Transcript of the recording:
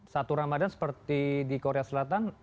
satu ramadhan seperti di korea selatan